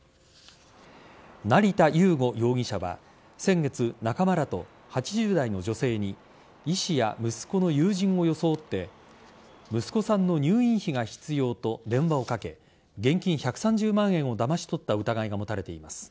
成田悠冴容疑者は先月、仲間らと８０代の女性に医師や息子の友人を装って息子さんの入院費が必要と電話をかけ現金１３０万円をだまし取った疑いが持たれています。